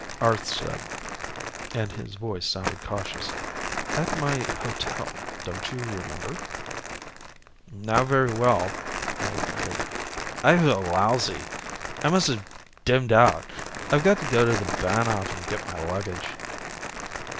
Arth said, and his voice sounded cautious, "At my hotel, don't you remember?" "Not very well," I admitted. "I feel lousy. I must have dimmed out. I've got to go to the Bahnhof and get my luggage."